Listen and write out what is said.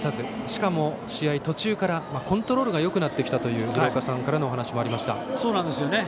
しかも、試合途中からコントロールがよくなってきたという廣岡さんからのお話もありました。